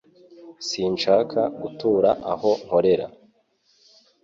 Sinshaka gutura aho nkorera